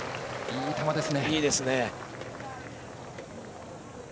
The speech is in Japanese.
いいですね。